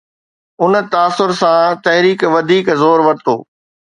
ان تاثر سان، تحريڪ وڌيڪ زور ورتو.